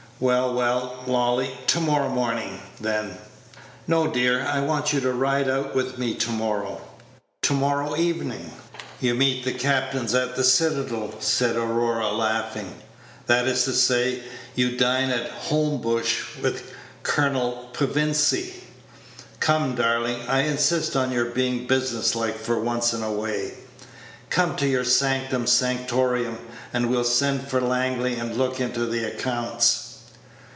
"Well, well, Lolly, to morrow morning, then." "No, dear, I want you to ride out with me to morrow." "To morrow evening." "'You meet the captains at the Citadel,'" said Aurora, laughing; "that is to say, you dine at Holmbush with Colonel Pevensey. Come, darling, I insist on your being business like for once in a way; come to your sanctum sanctorum, and we'll send for Langley, and look into the accounts."